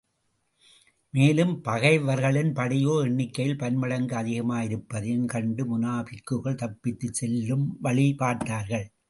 மேலும், பகைவர்களின் படையோ எண்ணிக்கையில் பன்மடங்கு அதிகமாயிருப்பதையும் கண்டு, முனாபிக்குகள் தப்பித்துச் செல்ல வழி பார்த்தார்கள்.